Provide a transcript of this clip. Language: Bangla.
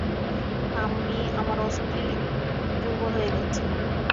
আমার অস্থি দুর্বল হয়ে গেছে।